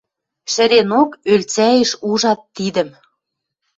Шӹренок ӧльцӓэш ужат тидӹм